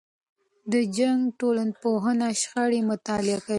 د جنګ ټولنپوهنه شخړې مطالعه کوي.